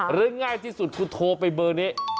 ง่ายที่สุดคุณโทรไปเบอร์นี้